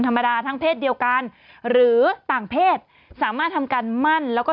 ธรรมดาทั้งเพศเดียวกันหรือต่างเพศสามารถทำการมั่นแล้วก็